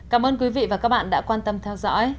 cảm ơn quý vị và các bạn đã quan tâm theo dõi